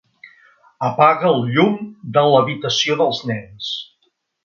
Apaga el llum de l'habitació dels nens.